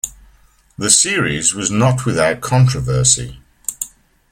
The series was not without controversy.